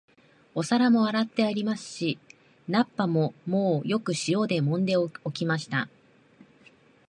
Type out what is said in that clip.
お皿も洗ってありますし、菜っ葉ももうよく塩でもんで置きました